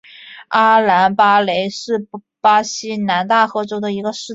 阿兰巴雷是巴西南大河州的一个市镇。